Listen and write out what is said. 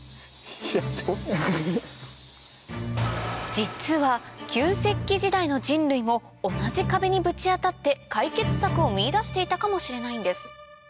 実は旧石器時代の人類も同じ壁にぶち当たって解決策を見いだしていたかもしれないんです